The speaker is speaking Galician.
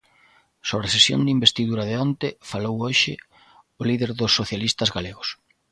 Sobre a sesión de investidura de onte falou hoxe o líder dos socialistas galegos.